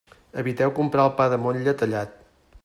Eviteu comprar el pa de motlle tallat.